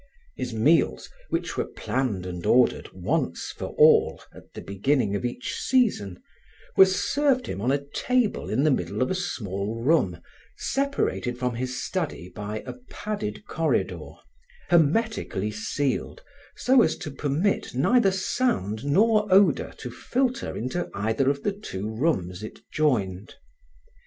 His meals, which were planned and ordered once for all at the beginning of each season, were served him on a table in the middle of a small room separated from his study by a padded corridor, hermetically sealed so as to permit neither sound nor odor to filter into either of the two rooms it joined.